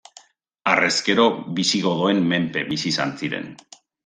Harrezkero, bisigodoen menpe bizi izan ziren.